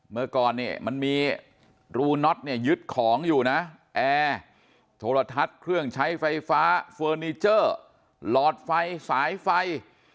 เมื่อก่อนเนี่ยมันมีรูน็อตเนี่ยยึดของอยู่นะแอร์โทรทัศน์เครื่องใช้ไฟฟ้าเฟอร์นิเจอร์หลอดไฟสายไฟ